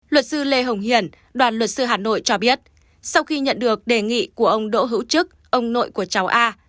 luật sư lê hồng hiển đoàn luật sư hà nội cho biết sau khi nhận được đề nghị của ông đỗ hữu chức ông nội của cháu a